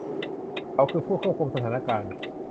เขาคือผู้ควบคุมสถานการณ์